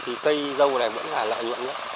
thì cây dâu này vẫn là lạ nhuận nhất